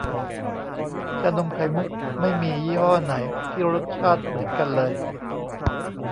ชานมไข่มุกไม่มียี่ห้อไหนที่รสชาติเหมือนกันเลย